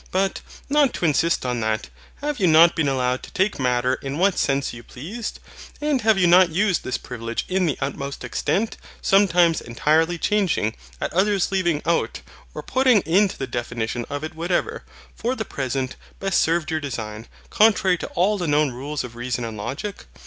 But, not to insist on that, have you not been allowed to take Matter in what sense you pleased? And have you not used this privilege in the utmost extent; sometimes entirely changing, at others leaving out, or putting into the definition of it whatever, for the present, best served your design, contrary to all the known rules of reason and logic?